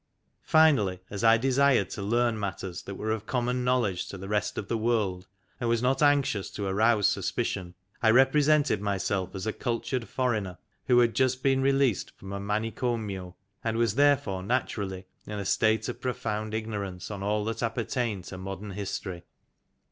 Finally, as I de sired to learn matters that were of common knowledge to the rest of the world, and was not anxious to arouse suspicion, I represented myself as a cultured foreigner who had just been released from a manicomio^ and was therefore naturally in a state of profound ignor ance on all that appertained to Modern History.